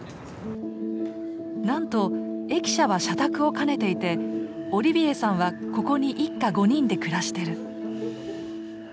なんと駅舎は社宅を兼ねていてオリビエさんはここに一家５人で暮らしてる。